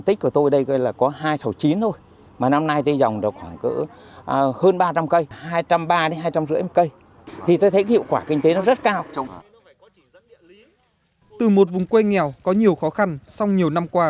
từ một vùng quê nghèo có nhiều khó khăn song nhiều năm qua